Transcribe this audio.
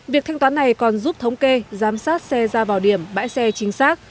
việc thanh toán này còn giúp thống kê giám sát xe ra vào điểm bãi xe chính xác